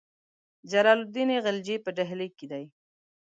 جلال الدین خلجي په ډهلي کې.